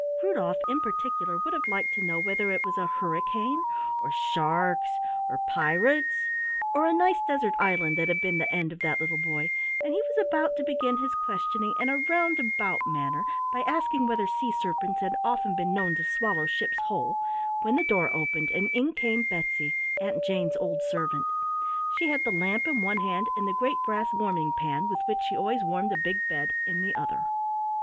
Rudolf in particular would have liked to know whether it was a hurricane or sharks or pirates or a nice desert island that had been the end of that little boy, and he was about to begin his questioning in a roundabout manner by asking whether sea serpents had often been known to swallow ships whole, when the door opened, and in came Betsy, Aunt Jane's old servant. She had the lamp in one hand and the great brass warming pan, with which she always warmed the big bed, in the other.